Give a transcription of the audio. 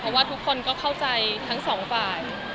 เพราะว่าทุกคนก็เข้าใจทั้งสองฝ่าย